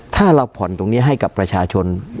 การแสดงความคิดเห็น